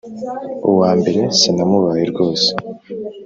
uwa mbere sinamubaye rwose,